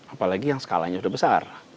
apalagi yang skalanya sudah besar